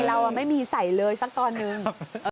เราไม่มีใส่เลยสักตอนนึง